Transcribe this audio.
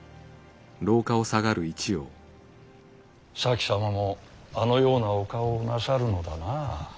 前様もあのようなお顔をなさるのだな。